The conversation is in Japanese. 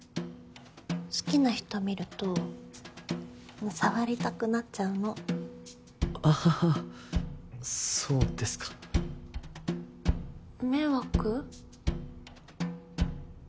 好きな人見ると触りたくなっちゃうのあははそうですか迷惑？